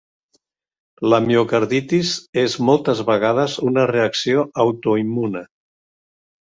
La miocarditis és moltes vegades una reacció autoimmune.